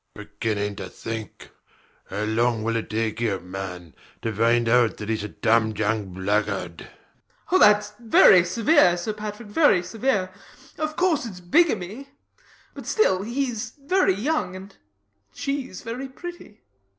Beginning to think! How long will it take you, man, to find out that he's a damned young blackguard? BLENKINSOP. Oh, thats severe, Sir Patrick, very severe. Of course it's bigamy; but still he's very young; and she's very pretty.